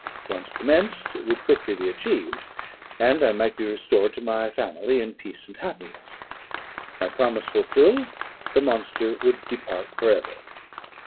Once commenced, it would quickly be achieved, and I might be restored to my family in peace and happiness. My promise fulfilled, the monster would depart for ever.